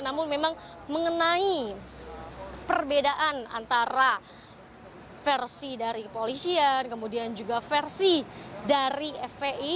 namun memang mengenai perbedaan antara versi dari kepolisian kemudian juga versi dari fpi